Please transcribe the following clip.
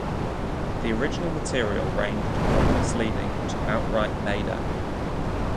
The original material ranged from misleading to outright made up.